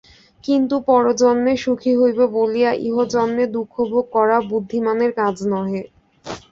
কিন্তু পরজন্মে সুখী হইব বলিয়া ইহজন্মে দুঃখভোগ করাও বুদ্ধিমানের কাজ নহে।